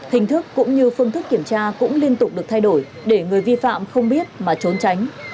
hình thức cũng như phương thức kiểm tra cũng liên tục được thay đổi để người vi phạm không biết mà trốn tránh